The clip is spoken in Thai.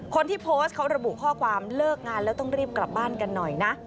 คนที่โพสต์เขาระบุข้อความเลิกงานแล้วต้องรีบกลับบ้านกันหน่อยนะ